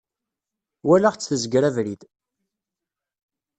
Walaɣ-tt tezger abrid.